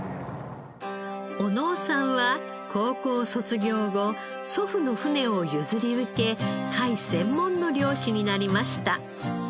小野尾さんは高校卒業後祖父の船を譲り受け貝専門の漁師になりました。